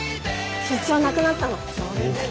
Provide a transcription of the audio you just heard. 出張なくなったの。